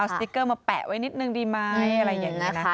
สติ๊กเกอร์มาแปะไว้นิดนึงดีไหมอะไรอย่างนี้นะคะ